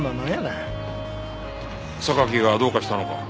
榊がどうかしたのか？